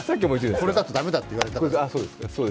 これだと駄目だって言われたから。